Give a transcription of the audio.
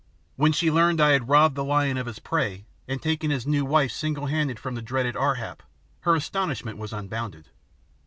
When she learned I had "robbed the lion of his prey" and taken his new wife singlehanded from the dreaded Ar hap her astonishment was unbounded.